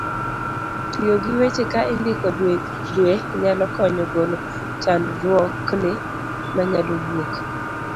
tiyo gi weche ka indiko dwe nyalo konyo golo chandruokni manyalo wuok